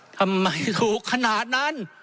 ทำไมถูกขนาดนั้น